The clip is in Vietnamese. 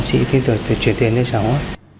chị kêu truyền tiền cho cháu ạ